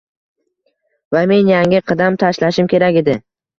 va men yangi qadam tashlashim kerak edi.